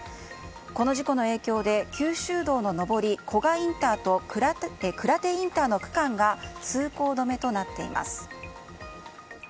この事故の影響で九州道の上り古賀インターと鞍手インターの区間が通行止めとなっています。